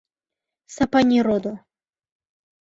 Сапани родо!..